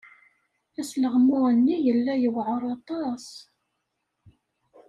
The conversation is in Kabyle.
Asleɣmu-nni yella yewɛeṛ aṭas.